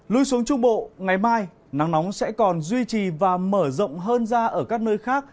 lui xuống trung bộ ngày mai nắng nóng sẽ còn duy trì và mở rộng hơn ra ở các nơi khác